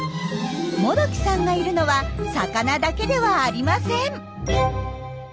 「モドキ」さんがいるのは魚だけではありません。